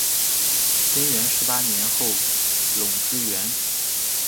贞元十八年后垄之原。